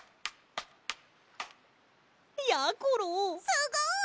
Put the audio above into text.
すごい！